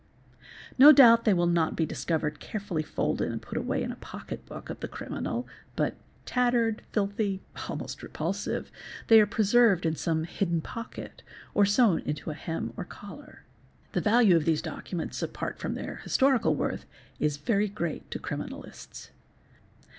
No doubt they will not be discovered carefully folded and put away in the pocket book of the criminal, but, tattered, filthy, almost repulsive, they are preserved in some hidden pocket, or sewn into a hem or collar. The value of these documents, apart from their historical worth, is very great to criminalists.